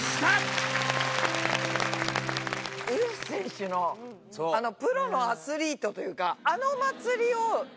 ウルフ選手のプロのアスリートというか。